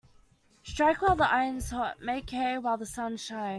Strike while the iron is hot Make hay while the sun shines.